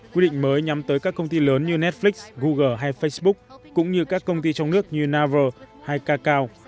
quy định mới nhắm tới các công ty lớn như netflix google hay facebook cũng như các công ty trong nước như naver hay kakao